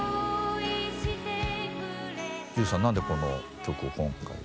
ＪＵＪＵさん何でこの曲を今回。